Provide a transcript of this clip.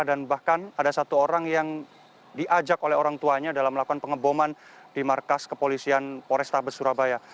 dan bahkan ada satu orang yang diajak oleh orang tuanya dalam melakukan pengeboman di markas kepolisian poresta besurabaya